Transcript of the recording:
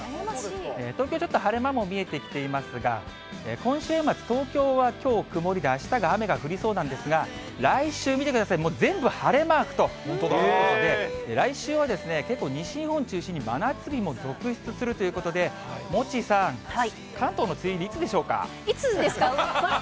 東京、ちょっと晴れ間も見えてきていますが、今週末、東京はきょう曇りで、あしたが雨が降りそうなんですが、来週見てください、もう全部晴れマークということで、来週はですね、結構、西日本を中心に真夏日も続出するということで、モッチーさん、いつですか？